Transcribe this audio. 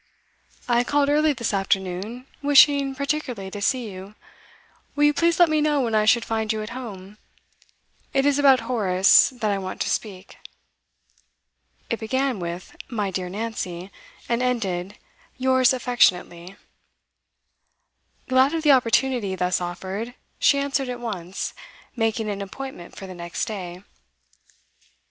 'I called early this afternoon, wishing particularly to see you. Will you please let me know when I should find you at home? It is about Horace that I want to speak.' It began with 'My dear Nancy,' and ended, 'Yours affectionately.' Glad of the opportunity thus offered, she answered at once, making an appointment for the next day.